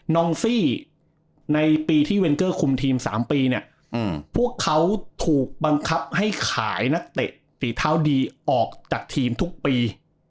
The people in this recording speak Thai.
องซี่ในปีที่เวนเกอร์คุมทีม๓ปีเนี่ยพวกเขาถูกบังคับให้ขายนักเตะฝีเท้าดีออกจากทีมทุกปี